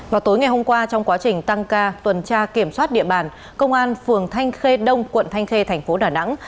vào tối ngày hôm qua trong quá trình tăng ca tuần tra kiểm soát địa bàn công an phường thanh khê đông quận thanh khê thành phố đà nẵng